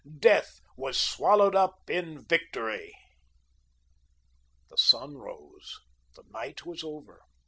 Death was swallowed up in Victory. The sun rose. The night was over.